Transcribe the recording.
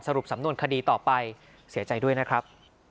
รุปสำนวนคดีต่อไปเสียใจด้วยนะครับ